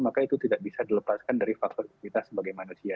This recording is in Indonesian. maka itu tidak bisa dilepaskan dari faktor kita sebagai manusia